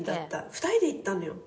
２人で行ったのよ。